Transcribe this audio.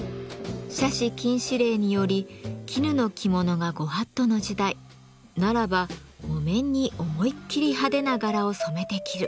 奢侈禁止令により絹の着物が御法度の時代ならば木綿に思いっきり派手な柄を染めて着る。